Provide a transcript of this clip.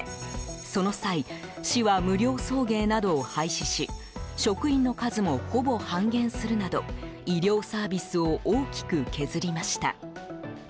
その際、市は無料送迎などを廃止し職員の数もほぼ半減するなど医療サービスを大きく削りました。